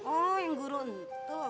oh yang guru itu